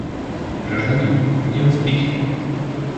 Гражданин, где вы спите?